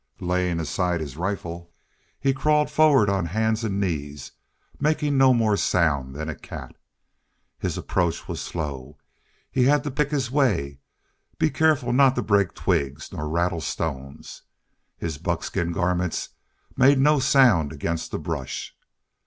Laying aside his rifle, he crawled forward on hands and knees, making no more sound than a cat. His approach was slow. He had to pick his way, be careful not to break twigs nor rattle stones. His buckskin garments made no sound against the brush.